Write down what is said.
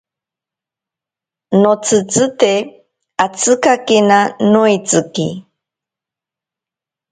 Notsitsite atsikakena noeitsiki.